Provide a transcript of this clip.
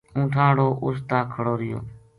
اونٹھاں ہاڑو اُس تا کھڑو رہیو